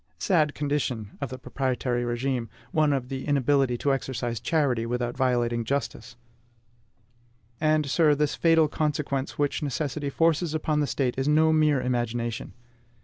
Sad condition of the proprietary regime, one of inability to exercise charity without violating justice! And, sir, this fatal consequence which necessity forces upon the State is no mere imagination.